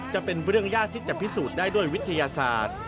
จะเป็นเรื่องยากที่จะพิสูจน์ได้ด้วยวิทยาศาสตร์